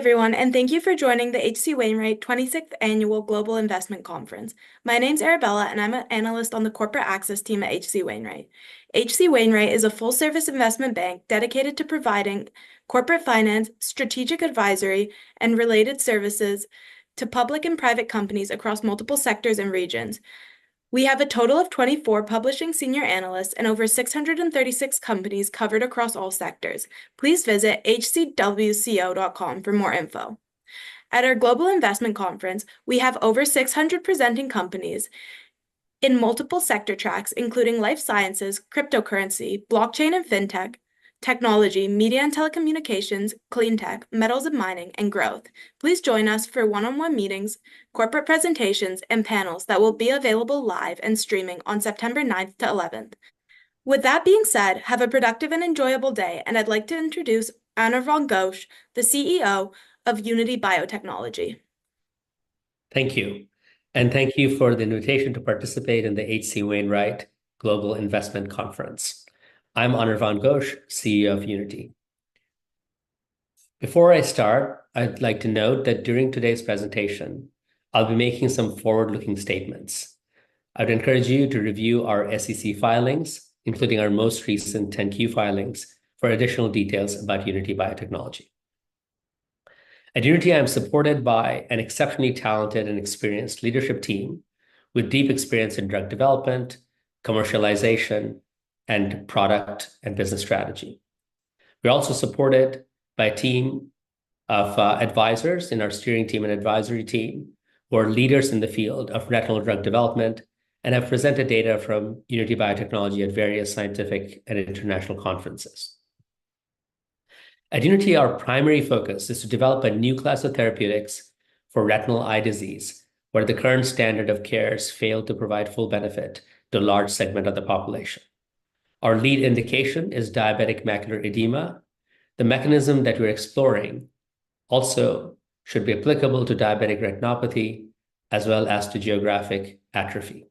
Hi, everyone, and thank you for joining the H.C. Wainwright 26th Annual Global Investment Conference. My name's Arabella, and I'm an analyst on the corporate access team at H.C. Wainwright. H.C. Wainwright is a full-service investment bank dedicated to providing corporate finance, strategic advisory, and related services to public and private companies across multiple sectors and regions. We have a total of 24 publishing senior analysts and over six hundred and 36 companies covered across all sectors. Please visit hcwco.com for more info. At our global investment conference, we have over six hundred presenting companies in multiple sector tracks, including life sciences, cryptocurrency, blockchain and fintech, technology, media and telecommunications, clean tech, metals and mining, and growth. Please join us for one-on-one meetings, corporate presentations, and panels that will be available live and streaming on September 9th to 11th. With that being said, have a productive and enjoyable day, and I'd like to introduce Anirvan Ghosh, the CEO of Unity Biotechnology. Thank you, and thank you for the invitation to participate in the H.C. Wainwright Global Investment Conference. I'm Anirvan Ghosh, CEO of Unity. Before I start, I'd like to note that during today's presentation, I'll be making some forward-looking statements. I'd encourage you to review our SEC filings, including our most recent 10-Q filings, for additional details about Unity Biotechnology. At Unity, I am supported by an exceptionally talented and experienced leadership team with deep experience in drug development, commercialization, and product and business strategy. We are also supported by a team of advisors in our steering team and advisory team, who are leaders in the field of retinal drug development and have presented data from Unity Biotechnology at various scientific and international conferences. At Unity, our primary focus is to develop a new class of therapeutics for retinal eye disease, where the current standard of care has failed to provide full benefit to a large segment of the population. Our lead indication is diabetic macular edema. The mechanism that we're exploring also should be applicable to diabetic retinopathy as well as to geographic atrophy.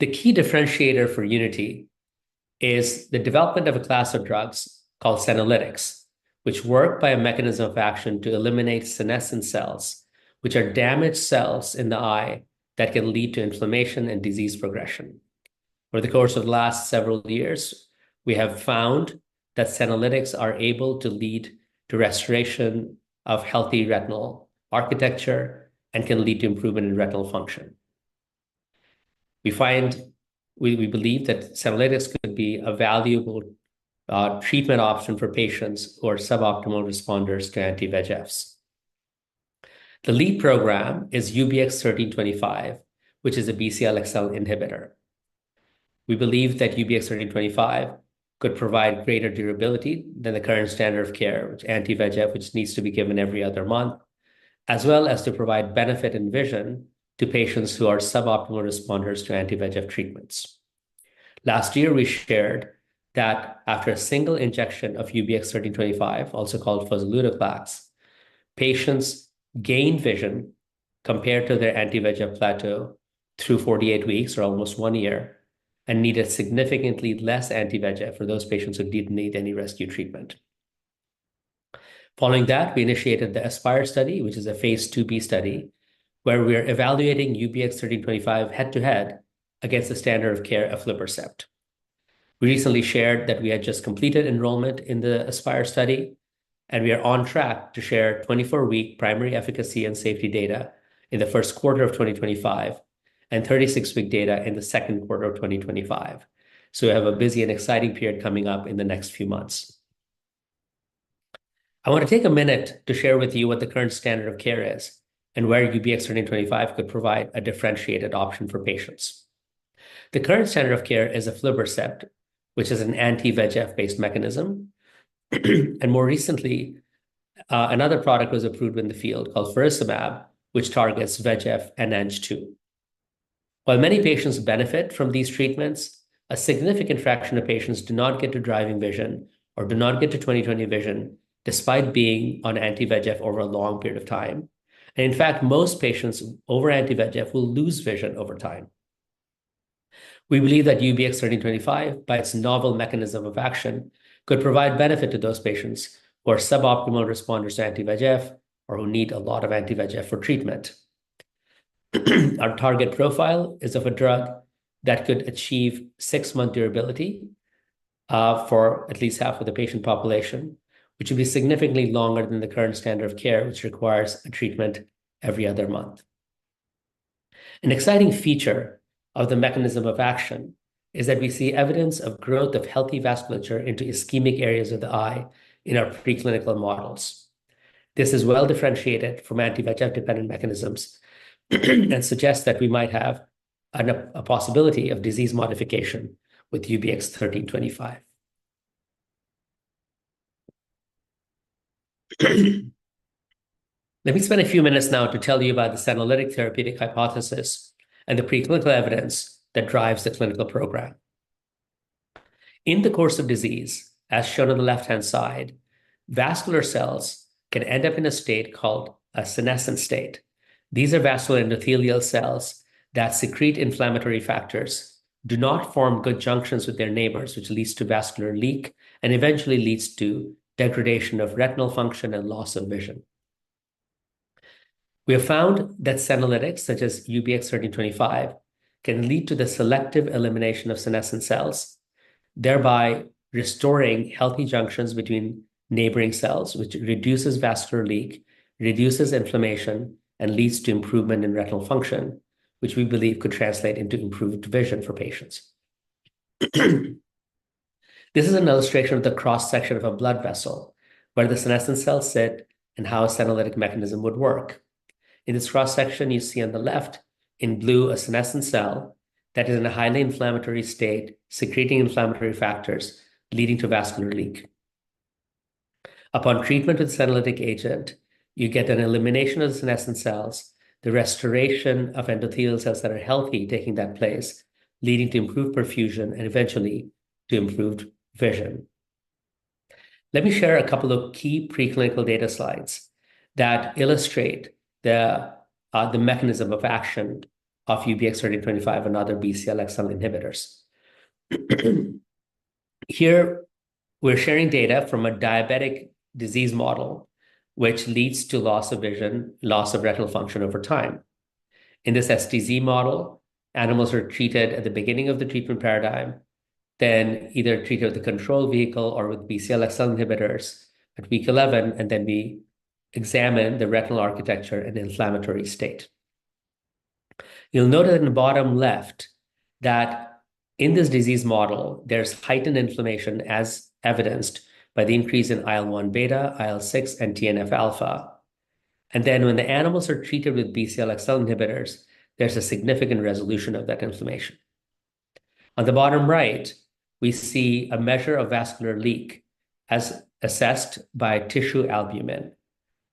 The key differentiator for Unity is the development of a class of drugs called senolytics, which work by a mechanism of action to eliminate senescent cells, which are damaged cells in the eye that can lead to inflammation and disease progression. Over the course of the last several years, we have found that senolytics are able to lead to restoration of healthy retinal architecture and can lead to improvement in retinal function. We believe that senolytics could be a valuable treatment option for patients who are suboptimal responders to anti-VEGFs. The lead program is UBX1325, which is a Bcl-xL inhibitor. We believe that UBX1325 could provide greater durability than the current standard of care, which anti-VEGF, which needs to be given every other month, as well as to provide benefit and vision to patients who are suboptimal responders to anti-VEGF treatments. Last year, we shared that after a single injection of UBX1325, also called foselutoclax, patients gained vision compared to their anti-VEGF plateau through 48 weeks, or almost one year, and needed significantly less anti-VEGF for those patients who didn't need any rescue treatment. Following that, we initiated the ASPIRE study, which is a phase IIb study, where we are evaluating UBX1325 head-to-head against the standard of care aflibercept. We recently shared that we had just completed enrollment in the ASPIRE study, and we are on track to share 24 week primary efficacy and safety data in the first quarter of 2025, so we have a busy and exciting period coming up in the next few months. I want to take a minute to share with you what the current standard of care is and where UBX1325 could provide a differentiated option for patients. The current standard of care is aflibercept, which is an anti-VEGF-based mechanism, and more recently another product was approved in the field, called faricimab, which targets VEGF and Ang-2. While many patients benefit from these treatments, a significant fraction of patients do not get to driving vision or do not get to 20/20 vision, despite being on anti-VEGF over a long period of time, and in fact, most patients over anti-VEGF will lose vision over time. We believe that UBX1325, by its novel mechanism of action, could provide benefit to those patients who are suboptimal responders to anti-VEGF or who need a lot of anti-VEGF for treatment. Our target profile is of a drug that could achieve six-month durability for at least half of the patient population, which would be significantly longer than the current standard of care, which requires a treatment every other month. An exciting feature of the mechanism of action is that we see evidence of growth of healthy vasculature into ischemic areas of the eye in our preclinical models. This is well-differentiated from anti-VEGF-dependent mechanisms and suggests that we might have a possibility of disease modification with UBX1325. Let me spend a few minutes now to tell you about the senolytic therapeutic hypothesis and the preclinical evidence that drives the clinical program. In the course of disease, as shown on the left-hand side, vascular cells can end up in a state called a senescent state. These are vascular endothelial cells that secrete inflammatory factors, do not form good junctions with their neighbors, which leads to vascular leak and eventually leads to degradation of retinal function and loss of vision. We have found that senolytics, such as UBX1325, can lead to the selective elimination of senescent cells, thereby restoring healthy junctions between neighboring cells, which reduces vascular leak, reduces inflammation, and leads to improvement in retinal function, which we believe could translate into improved vision for patients. This is an illustration of the cross-section of a blood vessel, where the senescent cells sit and how a senolytic mechanism would work. In this cross-section, you see on the left in blue, a senescent cell that is in a highly inflammatory state, secreting inflammatory factors leading to vascular leak. Upon treatment with senolytic agent, you get an elimination of senescent cells, the restoration of endothelial cells that are healthy, taking that place, leading to improved perfusion and eventually to improved vision. Let me share a couple of key preclinical data slides that illustrate the, the mechanism of action of UBX1325 and other Bcl-xL inhibitors. Here, we're sharing data from a diabetic disease model, which leads to loss of vision, loss of retinal function over time. In this STZ model, animals are treated at the beginning of the treatment paradigm, then either treated with a control vehicle or with Bcl-xL inhibitors at week 11, and then we examine the retinal architecture and inflammatory state. You'll note that in the bottom left, that in this disease model, there's heightened inflammation, as evidenced by the increase in IL-1 beta, IL-6, and TNF-alpha, and then when the animals are treated with Bcl-xL inhibitors, there's a significant resolution of that inflammation. On the bottom right, we see a measure of vascular leak, as assessed by tissue albumin.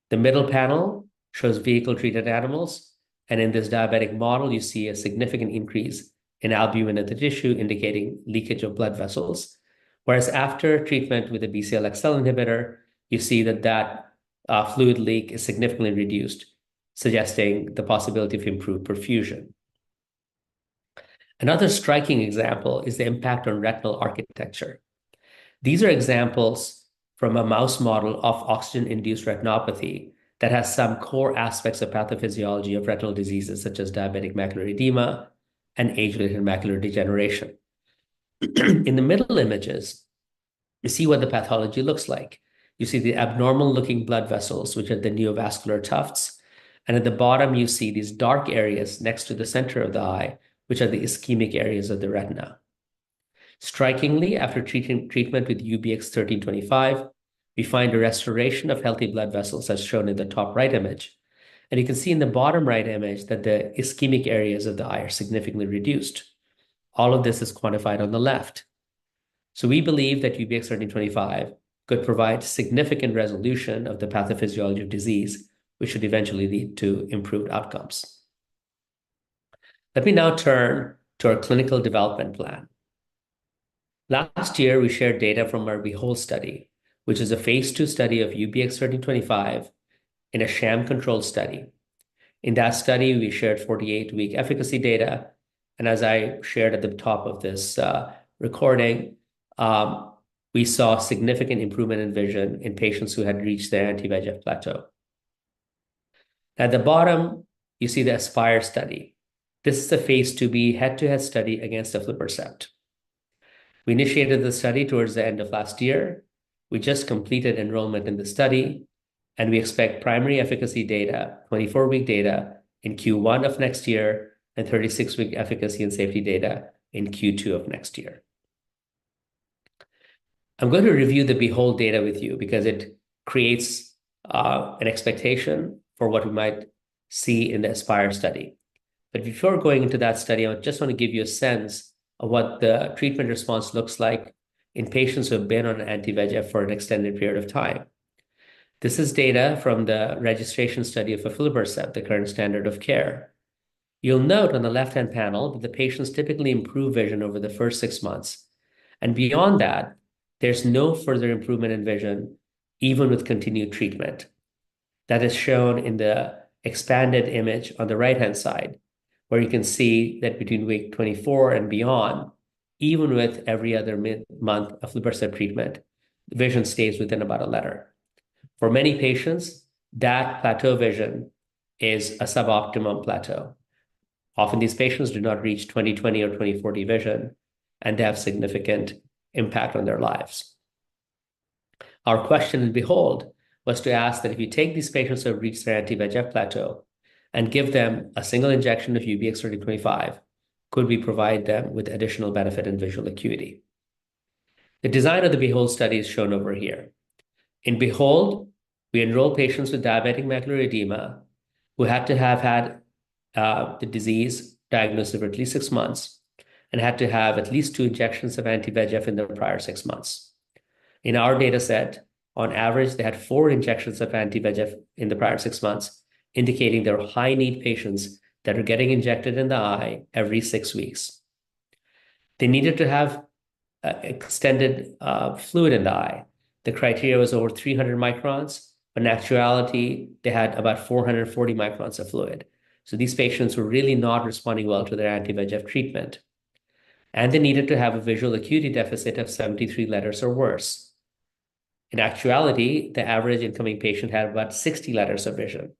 The middle panel shows vehicle-treated animals, and in this diabetic model, you see a significant increase in albumin at the tissue, indicating leakage of blood vessels. Whereas after treatment with a Bcl-xL inhibitor, you see that fluid leak is significantly reduced, suggesting the possibility of improved perfusion. Another striking example is the impact on retinal architecture. These are examples from a mouse model of oxygen-induced retinopathy that has some core aspects of pathophysiology of retinal diseases, such as diabetic macular edema and age-related macular degeneration. In the middle images, you see what the pathology looks like. You see the abnormal-looking blood vessels, which are the neovascular tufts, and at the bottom, you see these dark areas next to the center of the eye, which are the ischemic areas of the retina. Strikingly, after treatment with UBX1325, we find a restoration of healthy blood vessels, as shown in the top right image. You can see in the bottom right image that the ischemic areas of the eye are significantly reduced. All of this is quantified on the left. We believe that UBX1325 could provide significant resolution of the pathophysiology of disease, which should eventually lead to improved outcomes. Let me now turn to our clinical development plan. Last year, we shared data from our BEHOLD study, which is a phase II study of UBX1325 in a sham-controlled study. In that study, we shared 48-week efficacy data, and as I shared at the top of this recording, we saw significant improvement in vision in patients who had reached their anti-VEGF plateau. At the bottom, you see the ASPIRE study. This is a phase IIb head-to-head study against aflibercept. We initiated the study towards the end of last year. We just completed enrollment in the study, and we expect primary efficacy data, 24-week data, in Q1 of next year and 36-week efficacy and safety data in Q2 of next year. I'm going to review the BEHOLD data with you because it creates an expectation for what we might see in the ASPIRE study. But before going into that study, I just want to give you a sense of what the treatment response looks like in patients who have been on anti-VEGF for an extended period of time. This is data from the registration study of aflibercept, the current standard of care. You'll note on the left-hand panel that the patients typically improve vision over the first six months, and beyond that, there's no further improvement in vision, even with continued treatment. That is shown in the expanded image on the right-hand side, where you can see that between week 24 and beyond, even with every other month of aflibercept treatment, vision stays within about a letter. For many patients, that plateau vision is a suboptimal plateau. Often, these patients do not reach 20/20 or 20/40 vision, and they have significant impact on their lives. Our question in BEHOLD was to ask that if you take these patients who have reached their anti-VEGF plateau and give them a single injection of UBX1325, could we provide them with additional benefit in visual acuity? The design of the BEHOLD study is shown over here. In BEHOLD, we enroll patients with diabetic macular edema who had to have had the disease diagnosed for at least six months and had to have at least two injections of anti-VEGF in the prior six months. In our dataset, on average, they had four injections of anti-VEGF in the prior six months, indicating they're high-need patients that are getting injected in the eye every six weeks. They needed to have extended fluid in the eye. The criteria was over 300 microns, but in actuality, they had about 440 microns of fluid. So these patients were really not responding well to their anti-VEGF treatment, and they needed to have a visual acuity deficit of 73 letters or worse.... In actuality, the average incoming patient had about 60 letters of vision.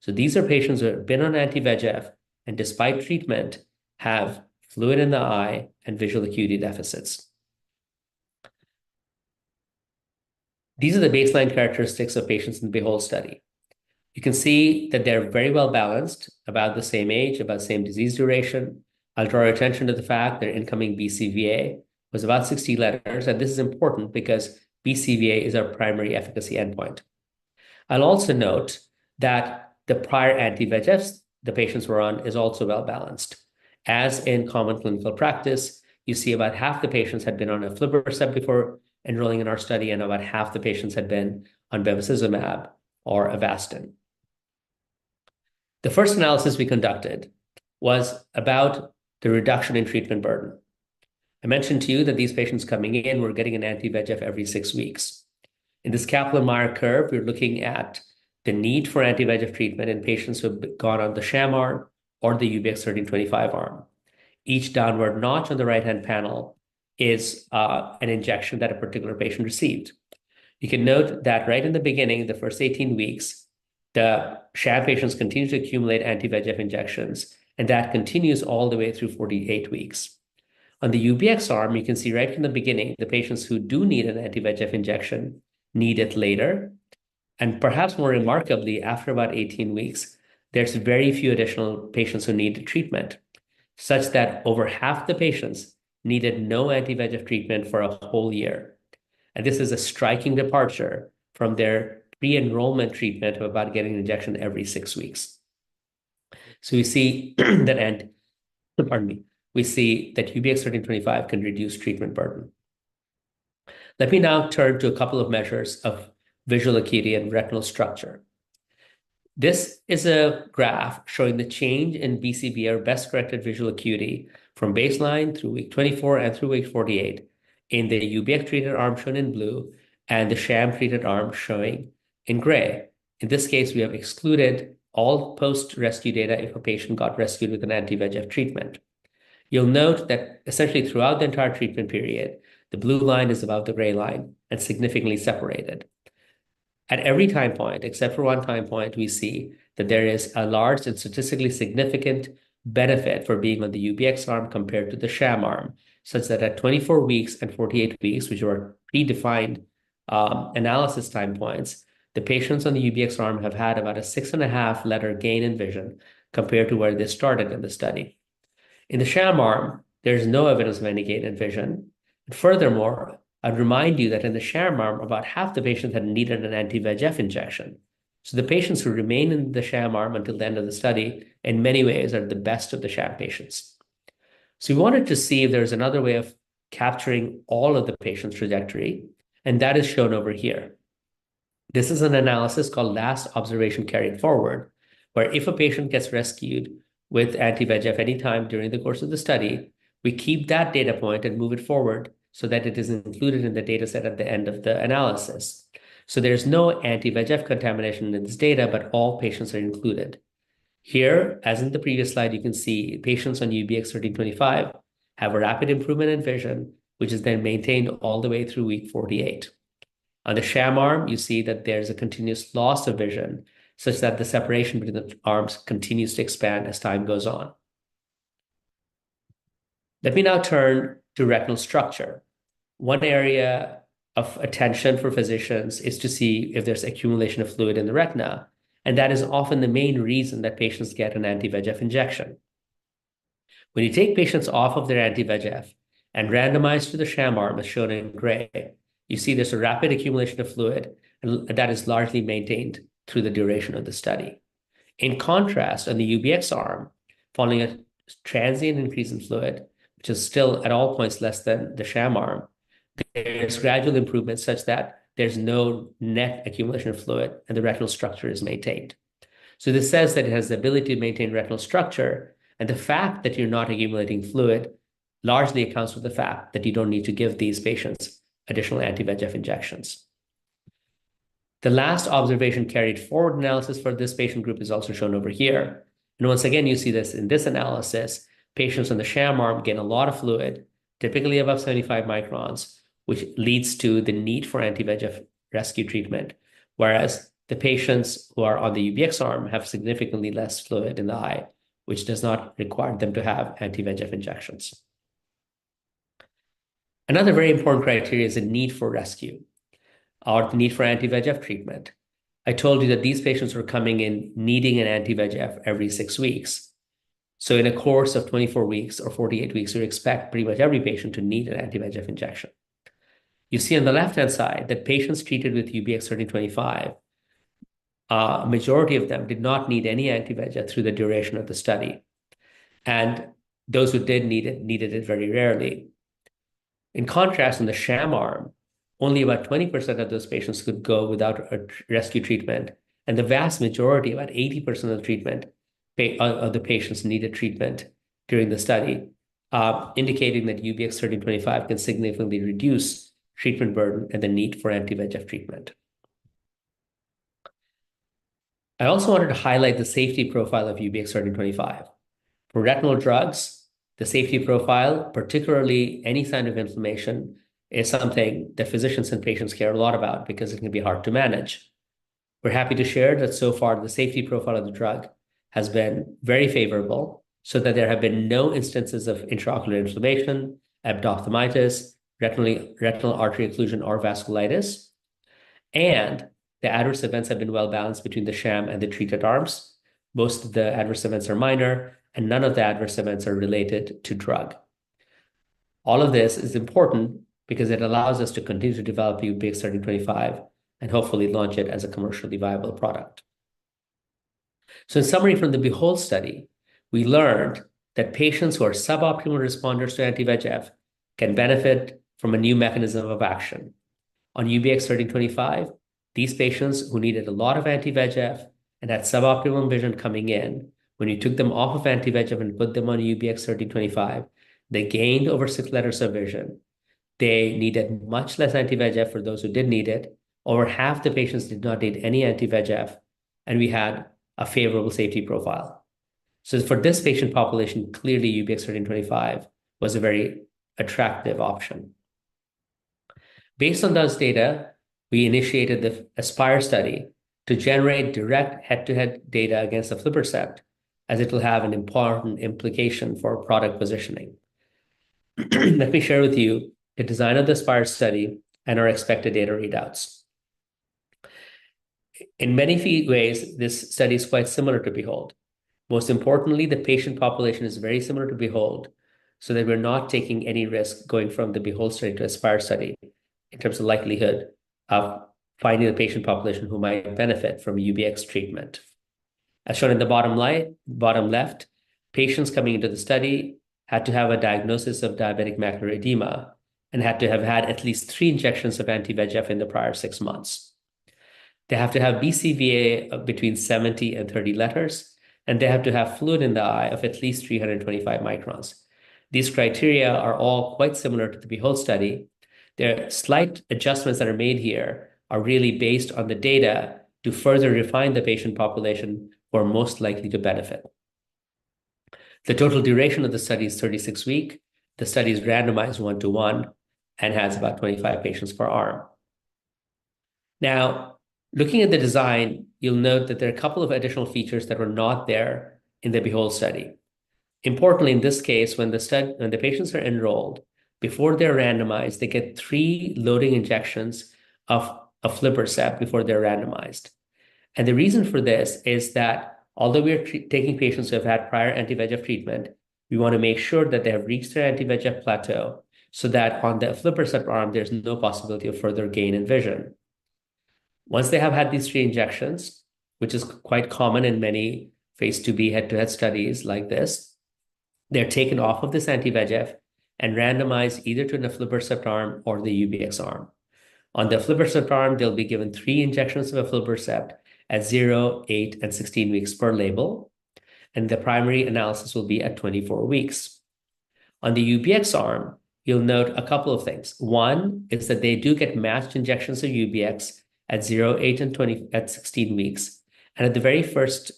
So these are patients who have been on anti-VEGF, and despite treatment, have fluid in the eye and visual acuity deficits. These are the baseline characteristics of patients in the BEHOLD study. You can see that they're very well-balanced, about the same age, about the same disease duration. I'll draw your attention to the fact their incoming BCVA was about 60 letters, and this is important because BCVA is our primary efficacy endpoint. I'll also note that the prior anti-VEGFs the patients were on is also well-balanced. As in common clinical practice, you see about half the patients had been on aflibercept before enrolling in our study, and about half the patients had been on bevacizumab or Avastin. The first analysis we conducted was about the reduction in treatment burden. I mentioned to you that these patients coming in were getting an anti-VEGF every six weeks. In this Kaplan-Meier curve, we're looking at the need for anti-VEGF treatment in patients who have gone on the sham arm or the UBX1325 arm. Each downward notch on the right-hand panel is an injection that a particular patient received. You can note that right in the beginning, the first eighteen weeks, the sham patients continue to accumulate anti-VEGF injections, and that continues all the way through 48 weeks. On the UBX arm, you can see right from the beginning, the patients who do need an anti-VEGF injection need it later, and perhaps more remarkably, after about 18 weeks, there's very few additional patients who need the treatment, such that over half the patients needed no anti-VEGF treatment for a whole year, and this is a striking departure from their pre-enrollment treatment of about getting an injection every six weeks, so we see that and, pardon me. We see that UBX1325 can reduce treatment burden. Let me now turn to a couple of measures of visual acuity and retinal structure. This is a graph showing the change in BCVA, or best-corrected visual acuity, from baseline through week 24 and through week 48 in the UBX-treated arm, shown in blue, and the sham-treated arm, showing in gray. In this case, we have excluded all post-rescue data if a patient got rescued with an anti-VEGF treatment. You'll note that essentially throughout the entire treatment period, the blue line is above the gray line and significantly separated. At every time point, except for one time point, we see that there is a large and statistically significant benefit for being on the UBX arm compared to the sham arm, such that at 24 weeks and 48 weeks, which were predefined analysis time points, the patients on the UBX arm have had about a six-and-a-half letter gain in vision compared to where they started in the study. In the sham arm, there's no evidence of any gain in vision. Furthermore, I'd remind you that in the sham arm, about half the patients had needed an anti-VEGF injection. So the patients who remain in the sham arm until the end of the study, in many ways, are the best of the sham patients. So we wanted to see if there's another way of capturing all of the patient's trajectory, and that is shown over here. This is an analysis called last observation carried forward, where if a patient gets rescued with anti-VEGF any time during the course of the study, we keep that data point and move it forward so that it is included in the data set at the end of the analysis. So there's no anti-VEGF contamination in this data, but all patients are included. Here, as in the previous slide, you can see patients on UBX1325 have a rapid improvement in vision, which is then maintained all the way through week 48. On the sham arm, you see that there's a continuous loss of vision, such that the separation between the arms continues to expand as time goes on. Let me now turn to retinal structure. One area of attention for physicians is to see if there's accumulation of fluid in the retina, and that is often the main reason that patients get an anti-VEGF injection. When you take patients off of their anti-VEGF and randomized to the sham arm, as shown in gray, you see there's a rapid accumulation of fluid, and that is largely maintained through the duration of the study. In contrast, on the UBX arm, following a transient increase in fluid, which is still at all points less than the sham arm, there is gradual improvement such that there's no net accumulation of fluid, and the retinal structure is maintained. So, this says that it has the ability to maintain retinal structure, and the fact that you're not accumulating fluid largely accounts for the fact that you don't need to give these patients additional anti-VEGF injections. The last observation carried forward analysis for this patient group is also shown over here. And once again, you see this in this analysis, patients in the sham arm gain a lot of fluid, typically above 75 microns, which leads to the need for anti-VEGF rescue treatment, whereas the patients who are on the UBX arm have significantly less fluid in the eye, which does not require them to have anti-VEGF injections. Another very important criteria is the need for rescue or the need for anti-VEGF treatment. I told you that these patients were coming in needing an anti-VEGF every six weeks. In a course of 24 weeks or 48 weeks, we expect pretty much every patient to need an anti-VEGF injection. You see on the left-hand side that patients treated with UBX1325, majority of them did not need any anti-VEGF through the duration of the study, and those who did need it, needed it very rarely. In contrast, in the sham arm, only about 20% of those patients could go without a rescue treatment, and the vast majority, about 80% of the patients, needed treatment during the study, indicating that UBX1325 can significantly reduce treatment burden and the need for anti-VEGF treatment. I also wanted to highlight the safety profile of UBX1325. For retinal drugs, the safety profile, particularly any sign of inflammation, is something that physicians and patients care a lot about because it can be hard to manage. We're happy to share that so far, the safety profile of the drug has been very favorable, so that there have been no instances of intraocular inflammation, endophthalmitis, retinal artery occlusion, or vasculitis, and the adverse events have been well-balanced between the sham and the treated arms. Most of the adverse events are minor, and none of the adverse events are related to drug. All of this is important because it allows us to continue to develop UBX1325 and hopefully launch it as a commercially viable product, so in summary, from the BEHOLD study, we learned that patients who are sub-optimal responders to anti-VEGF can benefit from a new mechanism of action. On UBX1325, these patients who needed a lot of anti-VEGF and had sub-optimal vision coming in, when you took them off of anti-VEGF and put them on UBX1325, they gained over six letters of vision. They needed much less anti-VEGF for those who did need it. Over half the patients did not need any anti-VEGF, and we had a favorable safety profile. So for this patient population, clearly, UBX1325 was a very attractive option. Based on those data, we initiated the ASPIRE study to generate direct head-to-head data against aflibercept, as it will have an important implication for product positioning. Let me share with you the design of the ASPIRE study and our expected data readouts. In many ways, this study is quite similar to BEHOLD. Most importantly, the patient population is very similar to BEHOLD, so that we're not taking any risk going from the BEHOLD study to ASPIRE study in terms of likelihood of finding a patient population who might benefit from UBX treatment. As shown in the bottom line, bottom left, patients coming into the study had to have a diagnosis of diabetic macular edema and had to have had at least three injections of anti-VEGF in the prior six months. They have to have BCVA between 70 and 30 letters, and they have to have fluid in the eye of at least 325 microns. These criteria are all quite similar to the BEHOLD study. The slight adjustments that are made here are really based on the data to further refine the patient population who are most likely to benefit. The total duration of the study is 36 week. The study is randomized 1-to-1 and has about 25 patients per arm. Now, looking at the design, you'll note that there are a couple of additional features that were not there in the BEHOLD study. Importantly, in this case, when the patients are enrolled, before they're randomized, they get three loading injections of aflibercept before they're randomized. The reason for this is that although we are taking patients who have had prior anti-VEGF treatment, we wanna make sure that they have reached their anti-VEGF plateau, so that on the aflibercept arm, there's no possibility of further gain in vision. Once they have had these three injections, which is quite common in many phase IIb head-to-head studies like this, they're taken off of this anti-VEGF and randomized either to an aflibercept arm or the UBX arm. On the aflibercept arm, they'll be given three injections of aflibercept at zero, eight, and sixteen weeks per label, and the primary analysis will be at 24 weeks. On the UBX arm, you'll note a couple of things. One is that they do get matched injections of UBX at zero, eight, and 16 weeks. And at the very first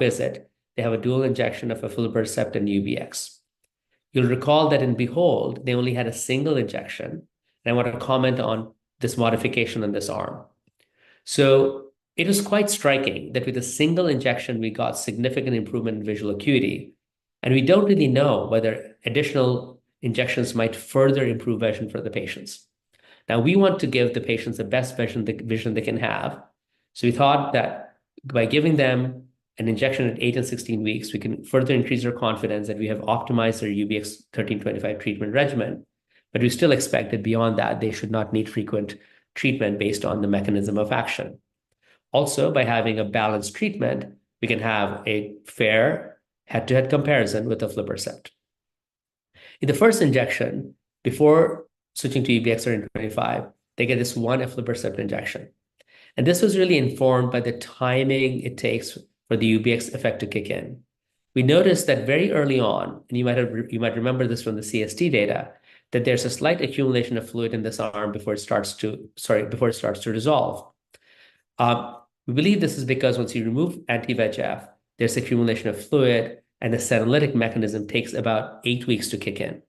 visit, they have a dual injection of aflibercept and UBX. You'll recall that in BEHOLD, they only had a single injection, and I want to comment on this modification in this arm. So it is quite striking that with a single injection, we got significant improvement in visual acuity, and we don't really know whether additional injections might further improve vision for the patients. Now, we want to give the patients the best vision, vision they can have, so we thought that by giving them an injection at eight and 16 weeks, we can further increase their confidence that we have optimized their UBX1325 treatment regimen. But we still expect that beyond that, they should not need frequent treatment based on the mechanism of action. Also, by having a balanced treatment, we can have a fair head-to-head comparison with aflibercept. In the first injection, before switching to UBX1325, they get this one aflibercept injection, and this was really informed by the timing it takes for the UBX effect to kick in. We noticed that very early on, and you might have, you might remember this from the CST data, that there's a slight accumulation of fluid in this arm before it starts to... Sorry, before it starts to dissolve. We believe this is because once you remove anti-VEGF, there's accumulation of fluid, and the cytolytic mechanism takes about eight weeks to kick in.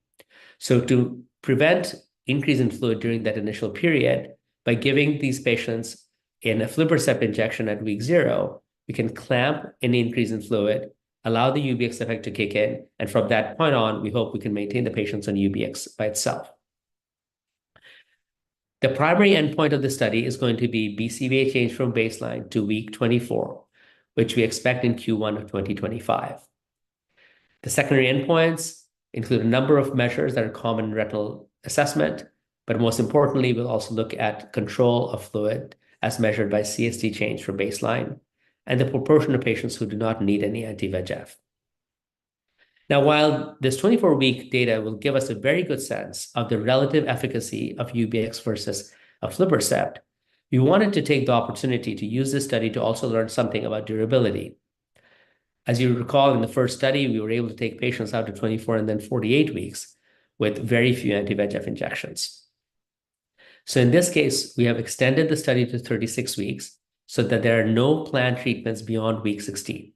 To prevent increase in fluid during that initial period, by giving these patients an aflibercept injection at week zero, we can clamp any increase in fluid, allow the UBX effect to kick in, and from that point on, we hope we can maintain the patients on UBX by itself. The primary endpoint of the study is going to be BCVA change from baseline to week 24, which we expect in Q1 of 2025. The secondary endpoints include a number of measures that are common in retinal assessment, but most importantly, we'll also look at control of fluid as measured by CST change from baseline and the proportion of patients who do not need any anti-VEGF. Now, while this 24-week data will give us a very good sense of the relative efficacy of UBX versus aflibercept, we wanted to take the opportunity to use this study to also learn something about durability. As you recall, in the first study, we were able to take patients out to 24 and then 48 weeks with very few anti-VEGF injections. So in this case, we have extended the study to 36 weeks so that there are no planned treatments beyond week 16.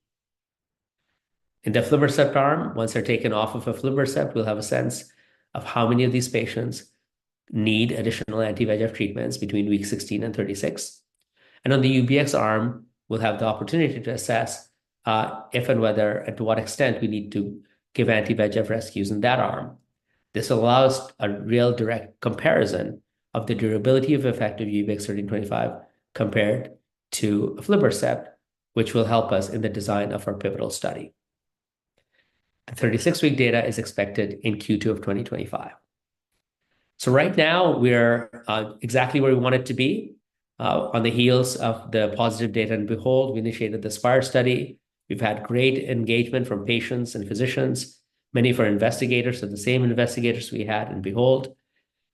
In the aflibercept arm, once they're taken off of aflibercept, we'll have a sense of how many of these patients need additional anti-VEGF treatments between weeks 16 and 36. And on the UBX arm, we'll have the opportunity to assess, if and whether, and to what extent, we need to give anti-VEGF rescues in that arm. This allows a real direct comparison of the durability of effective UBX1325 compared to aflibercept, which will help us in the design of our pivotal study. The 36 data is expected in Q2 of 2025. So right now, we're exactly where we wanted to be. On the heels of the positive data in BEHOLD, we initiated the ASPIRE study. We've had great engagement from patients and physicians. Many of our investigators are the same investigators we had in BEHOLD.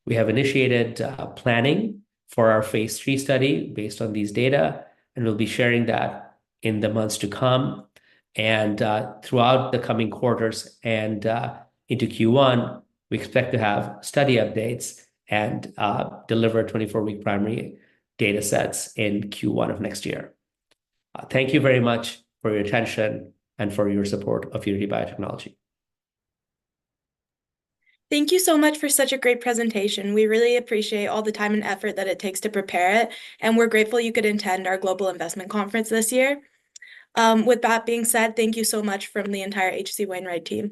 We have initiated planning for our phase III study based on these data, and we'll be sharing that in the months to come. And, throughout the coming quarters and, into Q1, we expect to have study updates and, deliver 24 week primary datasets in Q1 of next year. Thank you very much for your attention and for your support of Unity Biotechnology. Thank you so much for such a great presentation. We really appreciate all the time and effort that it takes to prepare it, and we're grateful you could attend our global investment conference this year. With that being said, thank you so much from the entire H.C. Wainwright team.